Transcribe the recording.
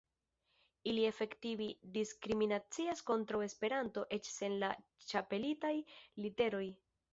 Ili efektive diskriminacias kontraŭ Esperanto eĉ sen la ĉapelitaj literoj.